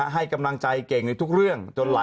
ให้กำลังใจเก่งในทุกเรื่อง